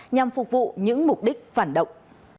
nhằm phục vụ những mục đích phản động